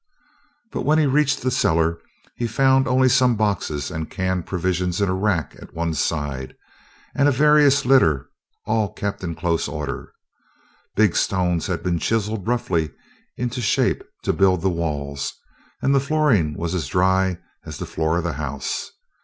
But, when he reached the cellar, he found only some boxes and canned provisions in a rack at one side, and a various litter all kept in close order. Big stones had been chiseled roughly into shape to build the walls, and the flooring was as dry as the floor of the house.